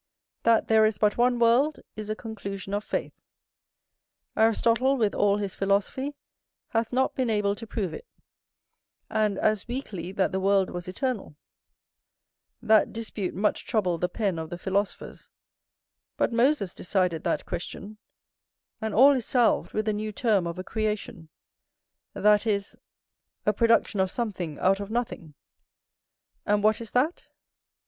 That there is but one world, is a conclusion of faith; Aristotle with all his philosophy hath not been able to prove it: and as weakly that the world was eternal; that dispute much troubled the pen of the philosophers, but Moses decided that question, and all is salved with the new term of a creation, that is, a production of something out of nothing. And what is that?